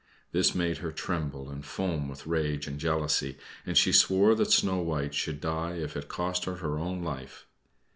This made her tremble and foam with rage and jealousy, and she swore that Snow White should die if it cost her her own life.